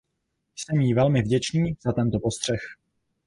Jsem jí velmi vděčný za tento postřeh.